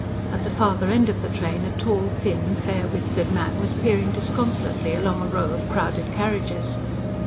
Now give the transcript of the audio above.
At the farther end of the train, a tall, thin, fair whiskered man was peering disconsolately along a row of crowded carriages.